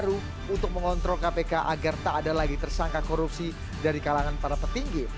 untuk mengontrol kpk agar tak ada lagi tersangka korupsi dari kalangan para petinggi